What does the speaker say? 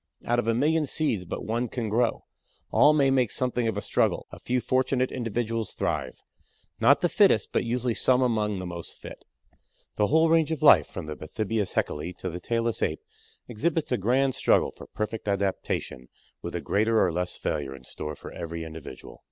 Out of a million seeds but one can grow. All may make something of a struggle; a few fortunate individuals thrive. Not the fittest, but usually some among those most fit. The whole range of life from the Bathybius Haeckelii to the tailless Ape exhibits a grand struggle for perfect adaptation with a greater or less failure in store for every individual.